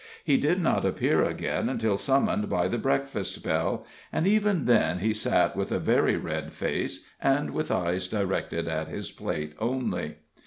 He did not appear again until summoned by the breakfast bell, and even then he sat with a very red face, and with eyes directed at his plate only.